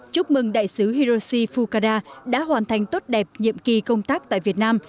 chúc mừng đại sứ hiroshi fukara đã hoàn thành tốt đẹp nhiệm kỳ công tác tại việt nam